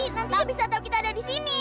nanti dia bisa tau kita ada disini